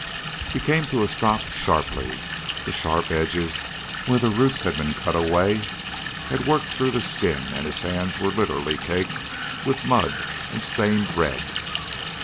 He came to a stop sharply. The sharp edges, where the roots had been cut away had worked through the skin and his hands were literally caked with mud and stained red.